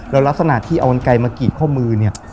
แล้วลักษณะที่เอากันไกลมากีบข้อมือเนี่ย